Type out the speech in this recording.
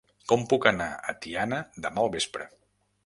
Com puc anar a Tiana demà al vespre?